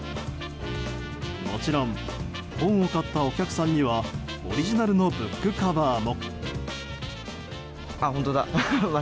もちろん本を買ったお客さんにはオリジナルのブックカバーも。